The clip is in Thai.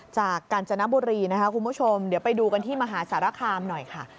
กาญจนบุรีนะคะคุณผู้ชมเดี๋ยวไปดูกันที่มหาสารคามหน่อยค่ะ